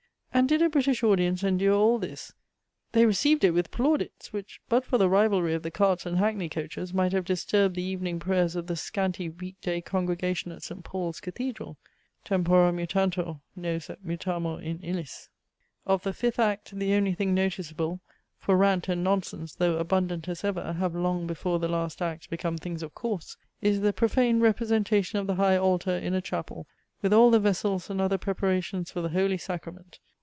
And did a British audience endure all this? They received it with plaudits, which, but for the rivalry of the carts and hackney coaches, might have disturbed the evening prayers of the scanty week day congregation at St. Paul's cathedral. Tempora mutantur, nos et mutamur in illis. Of the fifth act, the only thing noticeable, (for rant and nonsense, though abundant as ever, have long before the last act become things of course,) is the profane representation of the high altar in a chapel, with all the vessels and other preparations for the holy sacrament.